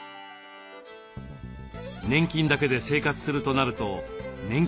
年金だけで生活するとなると年金は１０４万円。